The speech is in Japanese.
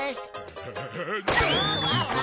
アハハハハ。